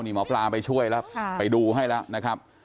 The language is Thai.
นี่หมอปลาไปช่วยแล้วไปดูให้แล้วนะครับ